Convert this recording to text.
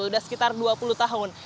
sudah sekitar dua puluh tahun